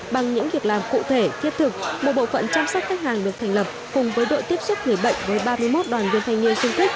bằng những việc làm cụ thể thiết thực một bộ phận chăm sóc khách hàng được thành lập cùng với đội tiếp xúc người bệnh với ba mươi một đoàn viên thanh niên sung kích